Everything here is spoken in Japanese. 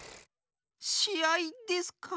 しあいですか？